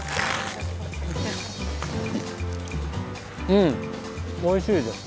うんおいしいです。